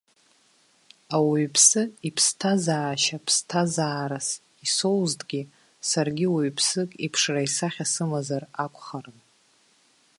Ауаҩԥсы иԥсҭазаашьа ԥсҭазаарас исоузҭгьы, саргьы уаҩԥсык иԥшра-исахьа сымазар акәхарын.